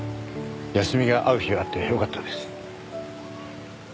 休みが合う日があってよかったです。